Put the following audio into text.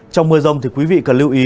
trong mưa rông thì quý vị cần lưu ý